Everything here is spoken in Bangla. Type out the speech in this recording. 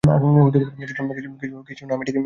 কিছু না, আমি ঠিক আছি।